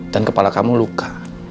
dan kepala kamu luka